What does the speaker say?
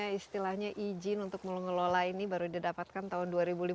tapi ini sudah diperlukan kebijakan untuk mengelola ini baru didapatkan tahun dua ribu lima belas